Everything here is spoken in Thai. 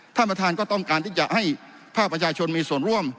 ท่านประธานก็ต้องการที่จะให้ภาคประชาชนมีส่วนร่วม